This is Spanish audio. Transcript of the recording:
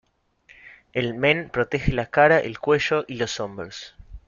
El "men" protege la cara, el cuello y los hombros.